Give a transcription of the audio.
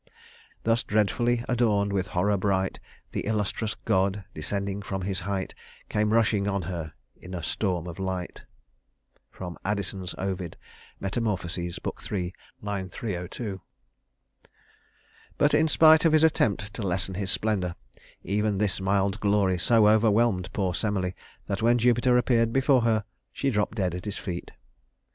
Thus dreadfully adorned with horror bright The illustrous god, descending from his height, Came rushing on her in a storm of light." ADDISON'S Ovid, Metamorphoses, Book III, line 302. But in spite of his attempt to lessen his splendor, even this mild glory so overwhelmed poor Semele that when Jupiter appeared before her, she dropped dead at his feet.